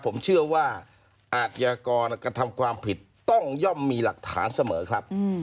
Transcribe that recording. ผมเชื่อว่าอาทยากรกระทำความผิดต้องย่อมมีหลักฐานเสมอครับ